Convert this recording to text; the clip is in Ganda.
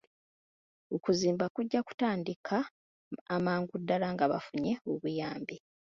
Okuzimba kujja kutandika amangu ddaala nga bafunye obuyambi.